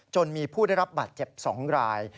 จนมีผู้ได้รับบาดเจ็บ๒ราย